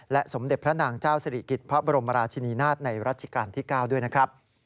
สมเด็จพระนางเจ้าสิริกิจพระบรมราชินีนาฏในรัชกาลที่๙ด้วยนะครับ